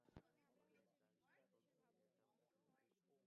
সুতরাং, এটা শুধু একটা রূপক অভিনয়!